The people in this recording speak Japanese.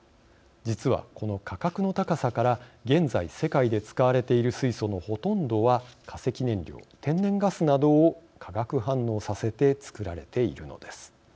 実はこの価格の高さから現在世界で使われている水素のほとんどは化石燃料天然ガスなどを化学反応させて作られているのです。